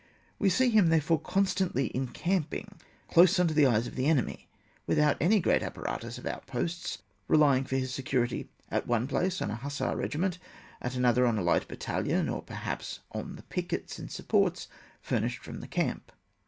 We see him therefore constantly encamping close under the eyes of the enemy, without any great apparatus of outposts, relying for his security, at one place on a hussar re giment, at another on a light battalion, or perhaps on the pickets, and supports furnished from the camp.